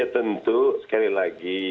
tentu sekali lagi